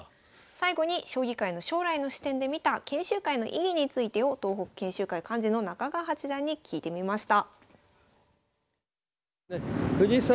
最後に将棋界の将来の視点で見た研修会の意義についてを東北研修会幹事の中川八段に聞いてみました。